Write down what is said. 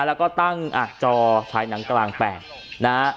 แล้วก็ตั้งอักจอฉายหนังกลางแปลง